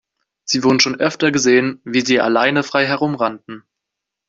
Sie wurden schon öfter gesehen, wie sie alleine frei herumrannten.